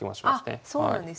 あそうなんですね。